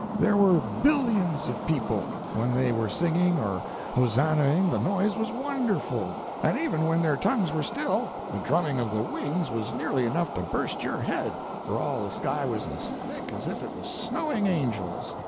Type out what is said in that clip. There were billions of people; when they were singing or hosannahing, the noise was wonderful; and even when their tongues were still the drumming of the wings was nearly enough to burst your head, for all the sky was as thick as if it was snowing angels.